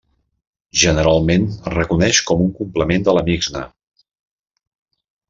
Generalment, es reconeix com un complement de la Mixnà.